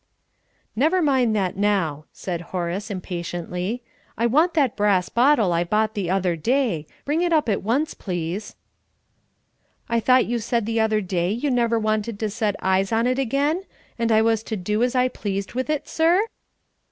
'" "Never mind that now," said Horace, impatiently; "I want that brass bottle I bought the other day. Bring it up at once, please." "I thought you said the other day you never wanted to set eyes on it again, and I was to do as I pleased with it, sir?"